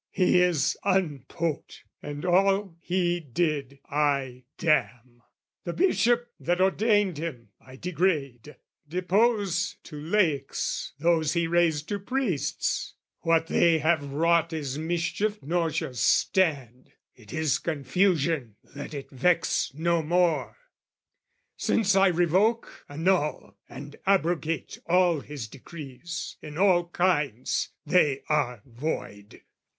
"'He is unpoped, and all he did I damn: "'The Bishop, that ordained him, I degrade: "'Depose to laics those he raised to priests: "'What they have wrought is mischief nor shall stand, "'It is confusion, let it vex no more! "'Since I revoke, annul and abrogate "'All his decrees in all kinds: they are void!